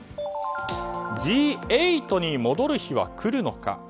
Ｇ８に戻る日は来るのか？